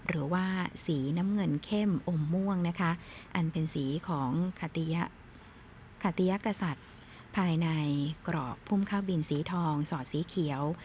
หรือว่าสีน้ำเงินเข้มอมม่วงนะคะอันเป็นสีของขติยกษัตริย์ภายในกรอกพุ่มข้าวบินสีทองสอดสีเขียว